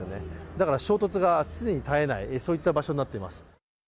だから衝突が常に絶えない、そういった場所になっています。